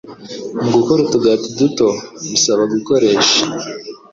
Mu gukora utugati duto, bisaba gukoresha